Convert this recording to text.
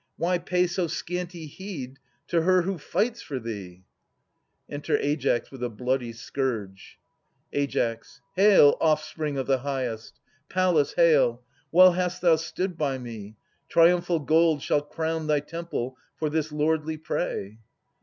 Why pay So scanty heed to her who fights for thee? Enter Aias with a bloody scourge. Aias. Hail, oifspring of the Highest! Pallas, hail! Well hast thou stood by me. Triumphal gold Shall crown thy temple for this lordly prey.